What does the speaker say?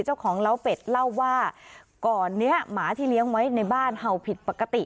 เล้าเป็ดเล่าว่าก่อนเนี้ยหมาที่เลี้ยงไว้ในบ้านเห่าผิดปกติ